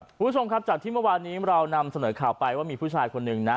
คุณผู้ชมครับจากที่เมื่อวานนี้เรานำเสนอข่าวไปว่ามีผู้ชายคนหนึ่งนะ